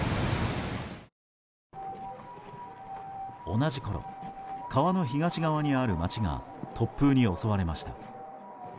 同じころ、川の東側にある街が突風に襲われました。